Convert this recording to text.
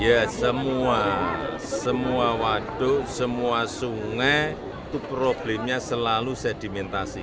ya semua semua waduk semua sungai itu problemnya selalu sedimentasi